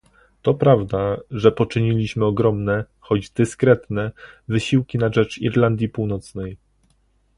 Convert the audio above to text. to prawda, że poczyniliśmy ogromne, choć dyskretne, wysiłki na rzecz Irlandii Północnej